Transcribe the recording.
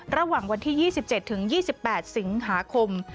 ระหว่างวันที่๒๗ถึง๒๘สิงหาคม